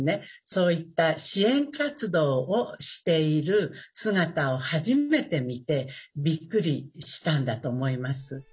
そういった支援活動をしている姿を初めて見てびっくりしたんだと思います。